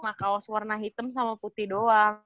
makaos warna hitam sama putih doang